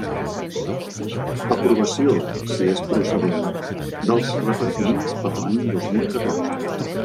Aprovació, si és procedent, dels repartiments per a l'any dos mil catorze.